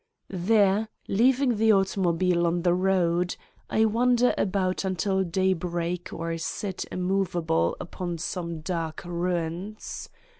There, leaving the au tomobile on the road, I wander about until day break or sit immovable upon some dark ruins.